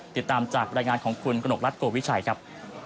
ติดตามจากบรรยายงานของคุณกนกรัฐโกวิชัยครับ